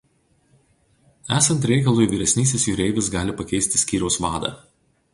Esant reikalui vyresnysis jūreivis gali pakeisti skyriaus vadą.